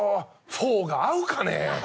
フォーが合うかね？